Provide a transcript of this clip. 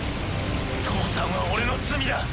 父さんは俺の罪だ。